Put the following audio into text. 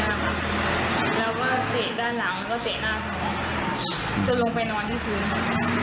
แล้วก็เตะด้านหลังแล้วก็เตะหน้าเขาจนลงไปนอนที่พื้น